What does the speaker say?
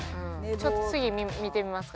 ちょっと次見てみますか。